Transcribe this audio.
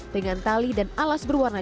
dengan tali dan alas berwarna